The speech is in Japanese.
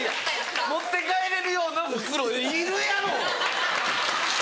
持って帰れる用の袋いるやろ！